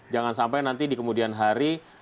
jangan sampai nanti di kemudian hari